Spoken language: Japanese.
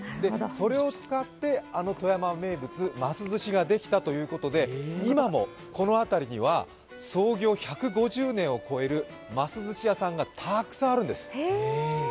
それを使って、あの富山名物ます寿司ができたということで今もこの辺りには創業１５０年を超えるます寿司屋さんがたくさんあるんです。